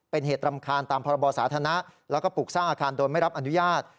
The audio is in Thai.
เป็นเหตุรำคาญตามพรบสาธารณะแล้วก็ปลูกสร้างอาคารโดยไม่รับอนุญาต